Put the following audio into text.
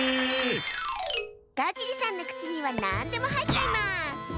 ガジリさんのくちにはなんでもはいっちゃいます！